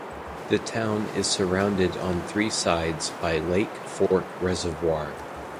The town is surrounded on three sides by Lake Fork Reservoir.